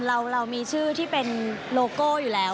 เรามีชื่อที่เป็นโลโก้อยู่แล้ว